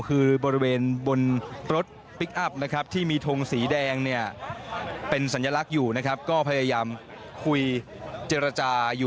คือบริเวณบนนับตัวสาย